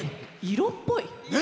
色っぽい。